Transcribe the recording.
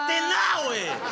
おい！